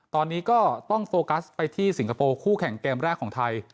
ตอนนี้ก็ต้องโฟกัสไปที่สิงคโปร์คู่แข่งเกมแรกของไทย